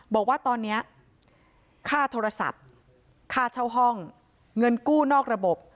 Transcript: บอกว่าตอนนี้ค่าโทรศัพท์ค่าเช่าห้องเงินกู้นอกระบบ